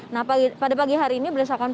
nah pada pagi hari ini berdasarkan